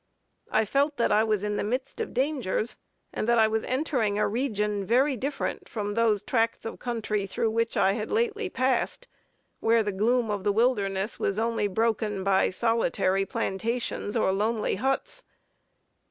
I felt that I was in the midst of dangers, and that I was entering a region very different from those tracts of country through which I had lately passed, where the gloom of the wilderness was only broken by solitary plantations or lonely huts.